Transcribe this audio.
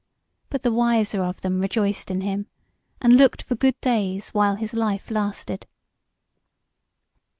But the wiser of them rejoiced in him, and looked for good days while his life lasted.